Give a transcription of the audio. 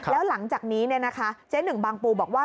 แล้วหลังจากนี้เจ๊หนึ่งบางปูบอกว่า